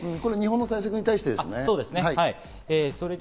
日本の対策に対してですね、これは。